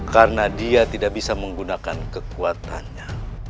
karena dia tidak bisa menggunakan kekuatannya